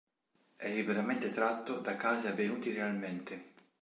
È liberamente tratto da casi avvenuti realmente.